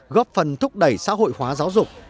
góp phần thúc đẩy xã hội hóa giáo dục